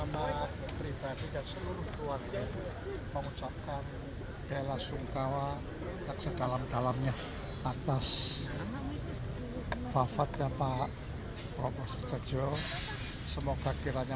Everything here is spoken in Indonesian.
mengucapkan bela sungkawa sedalam dalamnya atas wafatnya pak profesor jho semoga kiranya